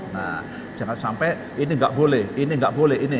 nah jangan sampai ini nggak boleh ini nggak boleh ini